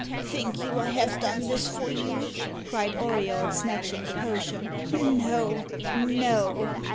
"Think you I have done this for you?" cried Auriol, snatching the potion; "no no."